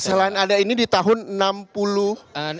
selain ada ini di tahun enam puluh an